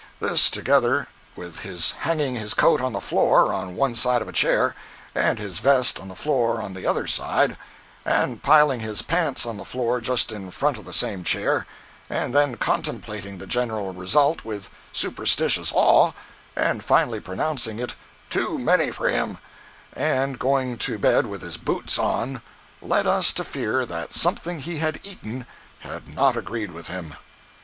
This, together with his hanging his coat on the floor on one side of a chair, and his vest on the floor on the other side, and piling his pants on the floor just in front of the same chair, and then comtemplating the general result with superstitious awe, and finally pronouncing it "too many for him" and going to bed with his boots on, led us to fear that something he had eaten had not agreed with him.